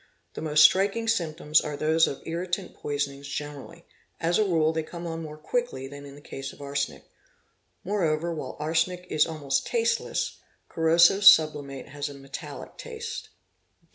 The most striking symptoms are those of irritant poisons generally, as a rule they come on more quickly than in the case of arsenic. Moreover while arsenic is almost tasteless, corrosive subli mate has a metallic taste.